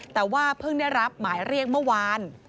แต่ว่าเพิ่งได้รับหมายเรียกเมื่อวาน